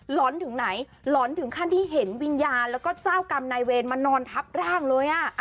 หอนถึงไหนหลอนถึงขั้นที่เห็นวิญญาณแล้วก็เจ้ากรรมนายเวรมานอนทับร่างเลย